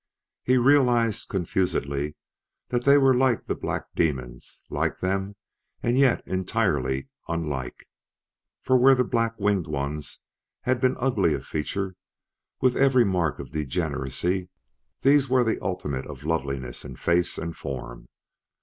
He realized confusedly that they were like the black demons like them and yet entirely unlike. For, where the black winged ones had been ugly of feature, with every mark of degeneracy, these were the ultimate of loveliness in face and form.